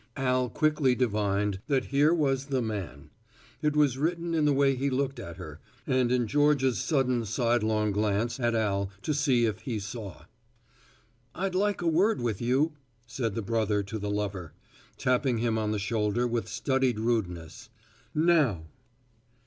Al quickly divined that here was the man. It was written in the way he looked at her, and in Georgia's sudden sidelong glance at Al to see if he saw. "I'd like a word with you," said the brother to the lover, tapping him on the shoulder with studied rudeness, "now."